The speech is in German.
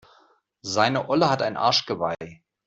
Seine Olle hat ein Arschgeweih.